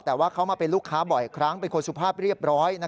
แต่ว่าเขามาเป็นลูกค้าบ่อยครั้งเป็นคนสุภาพเรียบร้อย